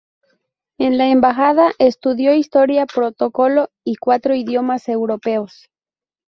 En la embajada estudió historia, protocolo y cuatro idiomas europeos.